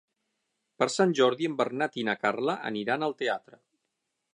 Per Sant Jordi en Bernat i na Carla aniran al teatre.